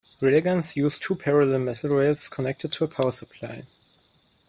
Railguns use two parallel metal rails connected to a power supply.